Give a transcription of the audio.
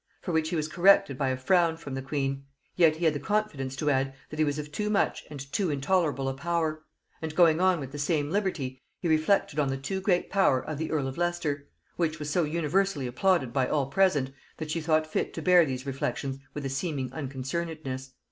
for which he was corrected by a frown from the queen: yet he had the confidence to add, that he was of too much and too intolerable a power; and going on with the same liberty, he reflected on the too great power of the earl of Leicester; which was so universally applauded by all present, that she thought fit to bear these reflections with a seeming unconcernedness.